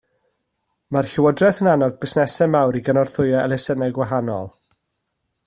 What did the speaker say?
Mae'r llywodraeth yn annog busnesau mawr i gynorthwyo elusennau gwahanol